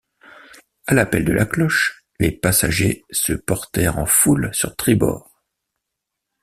À l’appel de la cloche, les passagers se portèrent en foule sur tribord.